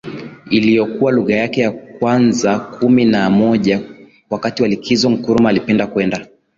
iliyokuwa lugha yake ya kwanzakumi na moja Wakati wa likizo Nkrumah alipenda kwenda